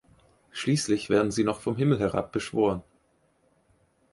Schließlich werden sie noch vom Himmel herab beschworen.